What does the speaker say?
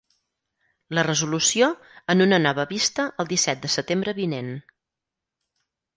La resolució, en una nova vista el disset de setembre vinent.